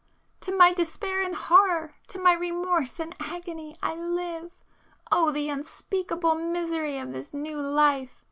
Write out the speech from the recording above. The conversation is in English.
To my despair and horror,—to my remorse and agony, I live!—oh the unspeakable misery of this new life!